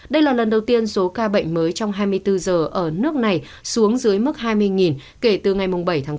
đây là lần đầu tiên số ca bệnh mới trong hai mươi bốn giờ ở nước này xuống dưới mức hai mươi kể từ ngày bảy tháng bốn